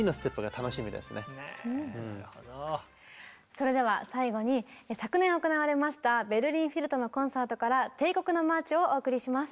それでは最後に昨年行われましたベルリン・フィルとのコンサートから「帝国のマーチ」をお送りします。